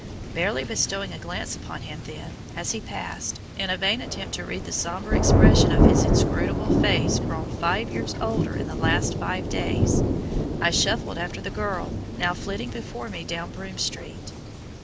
Barely bestowing a glance upon him, then, as he passed, in a vain attempt to read the sombre expression of his inscrutable face grown five years older in the last five days, I shuffled after the girl now flitting before me down Broome Street.